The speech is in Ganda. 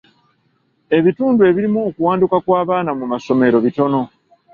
Ebitundu ebirimu okuwanduka kw'abaana mu masomero bitono.